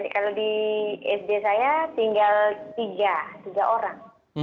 kalau di sd saya tinggal tiga orang